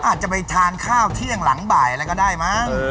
อาจจะไปทานข้าวเที่ยงหลังบ่ายอะไรก็ได้มั้ง